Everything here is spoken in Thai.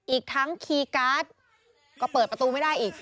อีกทั้งคีย์การ์ดก็เปิดประตูไม่ได้อีก